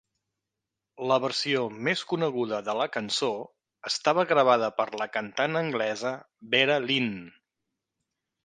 La versió més coneguda de la cançó estava gravada per la cantant anglesa Vera Lynn.